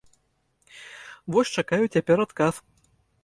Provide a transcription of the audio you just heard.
Вось чакаю цяпер адказ.